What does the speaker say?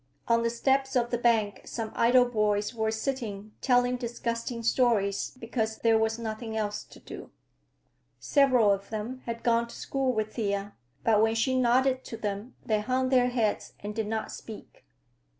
On the steps of the bank some idle boys were sitting, telling disgusting stories because there was nothing else to do. Several of them had gone to school with Thea, but when she nodded to them they hung their heads and did not speak.